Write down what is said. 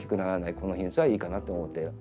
この品種はいいかなと思って。